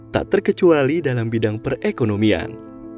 tak terkecuali dalam bidang perekonomian